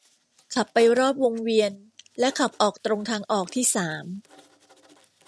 ขับไปรอบวงเวียน และขับออกตรงทางออกที่สาม